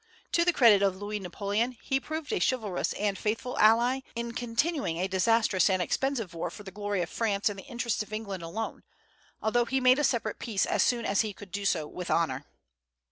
To the credit of Louis Napoleon, he proved a chivalrous and faithful ally, in continuing a disastrous and expensive war for the glory of France and the interests of England alone, although he made a separate peace as soon as he could do so with honor.